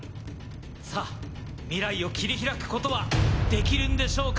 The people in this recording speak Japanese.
さぁ未来を切り開くことはできるんでしょうか⁉